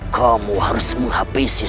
kamu harus menghabisi